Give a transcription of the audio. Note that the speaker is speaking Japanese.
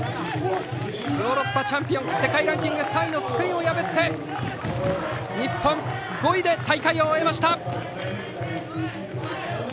ヨーロッパチャンピオン世界ランキング３位のスペインを破って日本５位で大会を終えました！